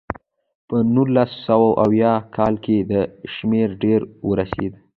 په نولس سوه اویا کال کې دا شمېره ډېره ورسېده.